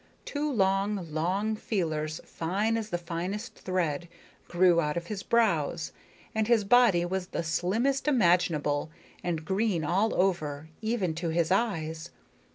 Two long, long feelers fine as the finest thread grew out of his brows, and his body was the slimmest imaginable, and green all over, even to his eyes.